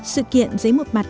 sự kiện giấy một mặt